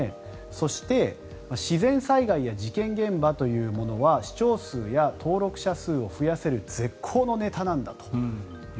そして、自然災害や事件現場というものは視聴数や登録者数を増やせる絶好のネタなんだと。